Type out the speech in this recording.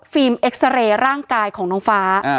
ฟิล์มเอ็กซ์เตอร์เรย์ร่างกายของน้องฟ้า